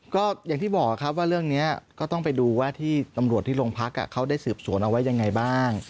ก็อย่างที่บอกครับว่าเรื่องนี้ก็ต้องไปดูว่าที่ตำรวจที่โรงพักเขาได้สืบสวนเอาไว้ยังไงบ้าง